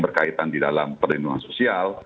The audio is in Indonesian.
berkaitan di dalam perlindungan sosial